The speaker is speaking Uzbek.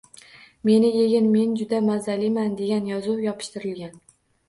“Meni yegin, men juda mazaliman!”, degan yozuv yopishtirilgan.